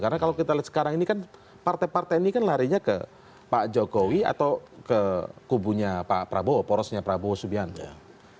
karena kalau kita lihat sekarang ini kan partai partai ini kan larinya ke pak jokowi atau ke kubunya pak prabowo porosnya prabowo subianto